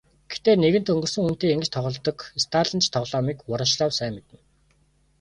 Гэхдээ нэгэнт өнгөрсөн хүнтэй ингэж тоглодог сталинч тоглоомыг Ворошилов сайн мэднэ.